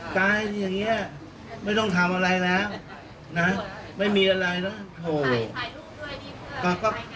ตายอย่างนี้ไม่ต้องทำอะไรแล้วนะไม่มีอะไรนะ